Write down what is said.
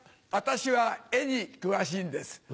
私は絵に詳しいんです。